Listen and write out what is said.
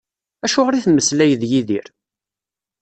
Acuɣer i temmeslay d Yidir?